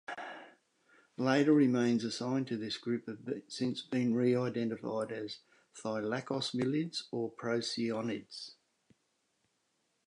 Later remains assigned to this group have since been reidentified as thylacosmilids or procyonids.